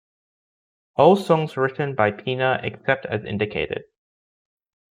All songs written by Pena except as indicated.